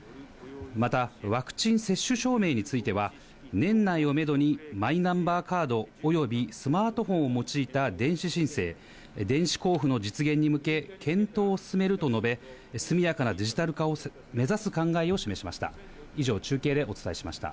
またワクチン接種証明については、年内をメドに、マイナンバーカードおよびスマートフォンを用いた電子申請、電子交付の実現に向け、検討を進めると述べ、速やかなデジタル化を目指す考えを示しました。